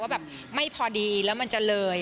แบบไม่พอดีแล้วมันจะเลย